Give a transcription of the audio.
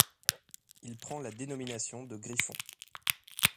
Il prend la dénomination de Griffon.